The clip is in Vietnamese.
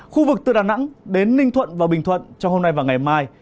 khu vực từ đà nẵng đến ninh thuận và bình thuận trong hôm nay và ngày mai